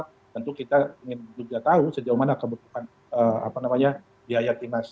tentu kita juga ingin tahu sejauh mana kebutuhan apa namanya biaya timnas